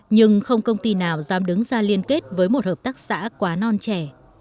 nhưng không công ty nào dám đứng ra liên kết với một hợp tác xã quá non trẻ